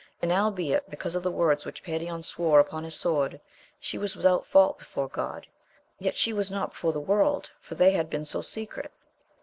And albeit because of the words which Perion swore upon his sword, she was without fault before God, yet was she not before the world, for they had been so secret.